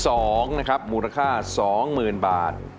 เพลงที่๒นะครับมูลค่า๒หมื่นบาท